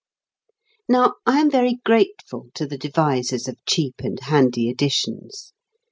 Now, I am very grateful to the devisers of cheap and handy editions.